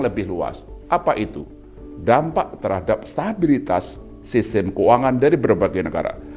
lebih luas apa itu dampak terhadap stabilitas sistem keuangan dari berbagai negara